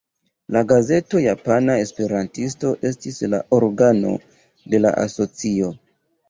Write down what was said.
La gazeto Japana Esperantisto estis la organo de la asocio.